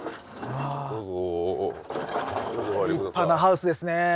立派なハウスですね。